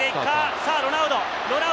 さぁ、ロナウド！